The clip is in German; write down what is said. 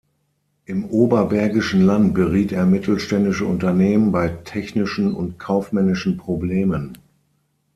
Im Oberbergischen Land beriet er mittelständische Unternehmen bei technischen und kaufmännischen Problemen.